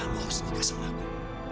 kamu harus dikasih sama aku